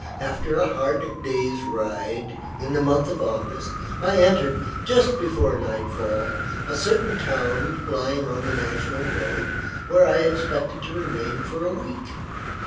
After a hard day's ride, in the month of August, I entered, just before nightfall, a certain town lying on the National Road, where I expected to remain for a week.